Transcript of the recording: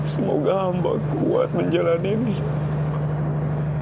semoga mbak kuat menjalani ini semua